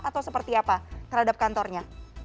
atau seperti apa terhadap kantornya